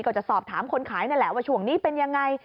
ก็จะสอบถามคนขายนั่นแหละว่าช่วงนี้เป็นยังไง